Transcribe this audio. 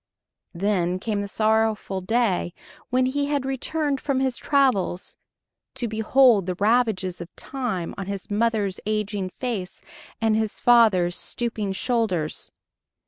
Then came the sorrowful day when he had returned from his travels, to behold the ravages of time on his mother's aging face and his father's stooping shoulders.